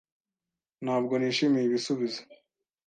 Ntabwo nishimiye ibisubizo.